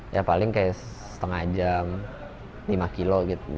ya paling kayak setengah jam lima kilo gitu